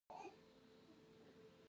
د برښنا شرکت بیلونه څنګه ټولوي؟